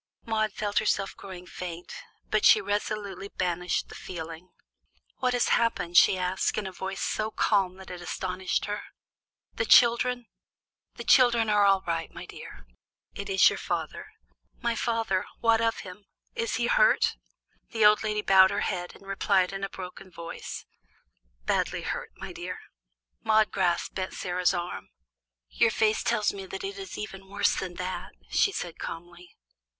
Maude felt herself growing faint, but she resolutely banished the feeling. "What has happened?" she asked, in a voice so calm that it astonished herself. "The children?" "The children are all right, my dear. It is your father." "My father! What of him? Is he hurt?" [Illustration: "Tired father? Supper's all ready."] The old lady bowed her head and replied in a broken voice: "Badly hurt, my dear." [Illustration: "What is it, Aunt Sarah?"] Maude grasped Aunt Sarah's arm. "Your face tells me that it is even worse than that," she said, calmly.